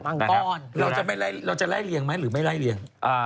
เราจะไล่เรียงไหมหรือไม่ไล่เรียง